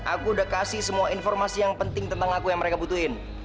aku udah kasih semua informasi yang penting tentang aku yang mereka butuhin